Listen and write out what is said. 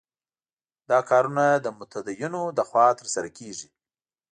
دا کارونه د متدینو له خوا ترسره کېږي.